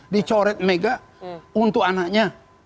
dicoret mega untuk anaknya